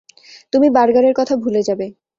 তুমি বার্গারের কথা ভুলে যাবে।